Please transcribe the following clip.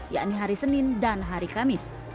yakni hari senin dan hari kamis